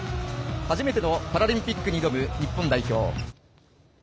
初めてのパラリンピックに挑む日本代表。